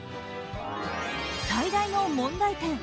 最大の問題点